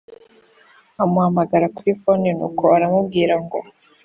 amuhamagara kuri phone nuko aramubwira ngo